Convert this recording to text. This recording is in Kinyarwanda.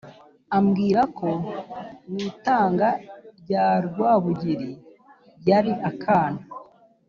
ambwira ko mu itanga rya Rwabugili yari akana